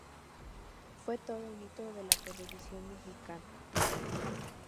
Fue todo un hito de la televisión mexicana.